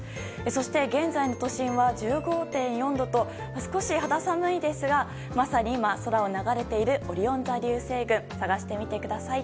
そして現在の都心は１５．４度と少し肌寒いですがまさに今、空を流れているオリオン座流星群探してみてください。